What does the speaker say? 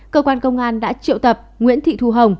cơ quan công an đã triệu tập nguyễn thị thu hồng